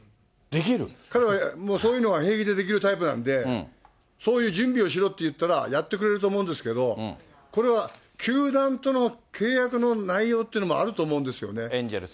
彼はもうそういうのは平気でできるタイプなんで、そういう準備をしろって言ったら、やってくれると思うんですけど、これは球団との契約の内容というのもあると思うんですよね。